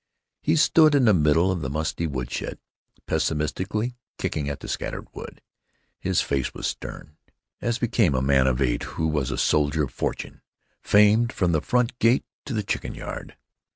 He stood in the middle of the musty woodshed, pessimistically kicking at the scattered wood. His face was stern, as became a man of eight who was a soldier of fortune famed from the front gate to the chicken yard.